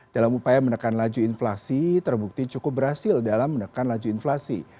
dalam upaya menekan laju inflasi terbukti cukup berhasil dalam menekan laju inflasi